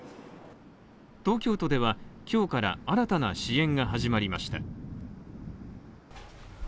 東京都では今日から新たな支援が始まりました